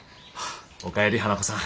お帰り花子さん。